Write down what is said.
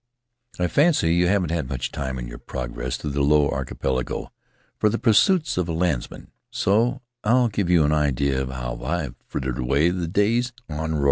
I fancy you haven't had much time, in your progress through the Low Archipelago, for the pursuits of a landsman, so I'll give you an idea of how I've frittered away the days on Rarotonga.